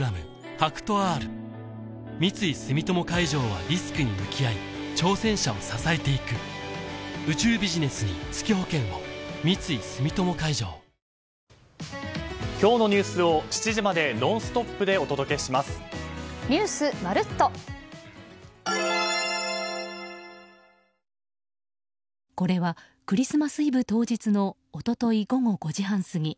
ＨＡＫＵＴＯ−Ｒ三井住友海上はリスクに向き合い挑戦者を支えていく三井住友海上これはクリスマスイブ当日の一昨日午後５時半過ぎ。